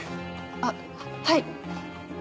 あっはい。